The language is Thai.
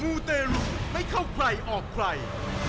ูเตรุไม่เข้าใครออกใคร